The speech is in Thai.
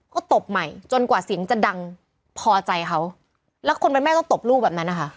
ก็ตบใหม่จนกว่าเสียงจะดังพอใจเขาแล้วคนเป็นแม่ต้องตบลูกแบบนั้นนะคะ